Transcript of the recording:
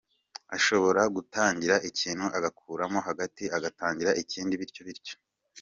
Ashobora gutangira ikintu akagarukiramo hagati agatangira ikindi bityo bityo.